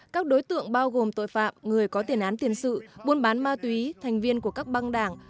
các đối tượng bao gồm tội phạm người có tiền án tiền sự buôn bán ma túy thành viên của các băng đảng